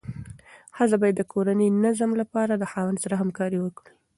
ښځه باید د کورني نظم لپاره د خاوند سره همکاري وکړي.